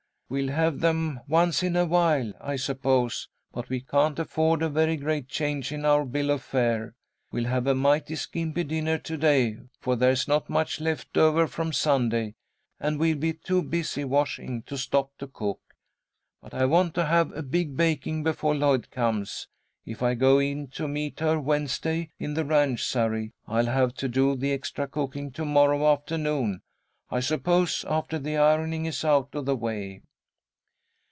"We'll have them once in awhile, I suppose, but we can't afford a very great change in our bill of fare. We'll have a mighty skimpy dinner to day, for there's not much left over from Sunday, and we'll be too busy washing to stop to cook. But I want to have a big baking before Lloyd comes. If I go in to meet her Wednesday, in the ranch surrey, I'll have to do the extra cooking to morrow afternoon, I suppose, after the ironing is out of the way."